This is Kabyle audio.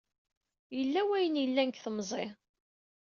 Yella wayen yelhan deg temẓi.